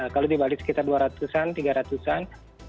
kalau di bali sekitar dua ratus an tiga ratus an